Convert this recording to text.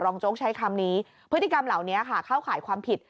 โจ๊กใช้คำนี้พฤติกรรมเหล่านี้ค่ะเข้าข่ายความผิด